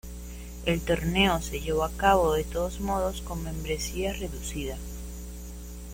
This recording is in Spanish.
El torneo se llevó a cabo de todos modos con membresía reducida.